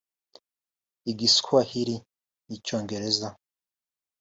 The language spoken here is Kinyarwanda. Igiswahili n’Icyongereza